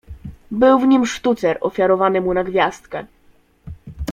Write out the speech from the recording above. Był w nim sztucer ofiarowany mu na gwiazdkę.